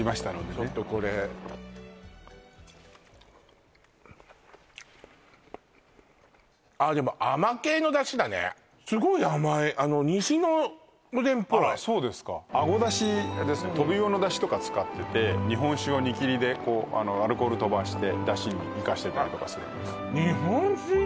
ちょっとこれあっでもすごい甘いあのあらそうですかあご出汁ですねトビウオの出汁とか使ってて日本酒を煮切りでアルコール飛ばして出汁に生かしてたりとかするんですあ